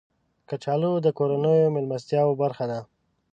کچالو د کورنیو میلمستیاو برخه ده